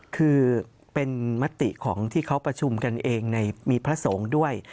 คือเป็นมติของที่เขาประชุมกันเองในมีพระสงฆ์ด้วย